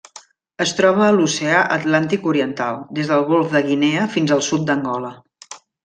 Es troba a l'Oceà Atlàntic oriental: des del Golf de Guinea fins al sud d'Angola.